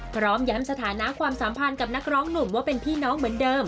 พร้อมย้ำสถานะความสัมพันธ์กับนักร้องหนุ่มว่าเป็นพี่น้องเหมือนเดิม